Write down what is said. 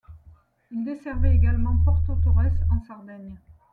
Il desservait également Porto Torres en Sardaigne.